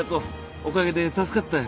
おかげで助かったよ。